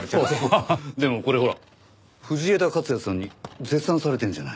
ハハッでもこれほら藤枝克也さんに絶賛されてんじゃない。